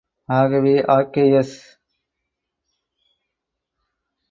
ஆகவே ஆர்.கே.எஸ்.